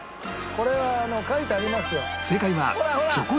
これは書いてありますよ。